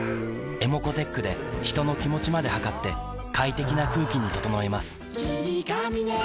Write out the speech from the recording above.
ｅｍｏｃｏーｔｅｃｈで人の気持ちまで測って快適な空気に整えます